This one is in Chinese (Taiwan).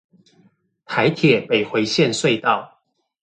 台鐵北迴線隧道